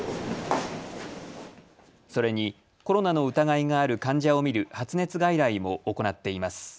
それにコロナの疑いがある患者を診る発熱外来も行っています。